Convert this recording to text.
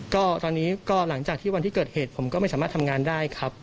ก็ตอนนี้ก็หลังจากที่วันที่เกิดเหตุผมก็ไม่สามารถทำงานได้ครับ